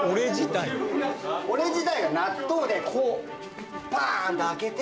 オレ自体が納豆でこうパーンって開けて。